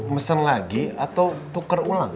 mesen lagi atau tuker ulang